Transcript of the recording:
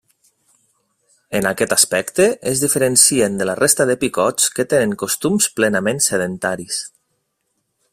En aquest aspecte, es diferencien de la resta de picots, que tenen costums plenament sedentaris.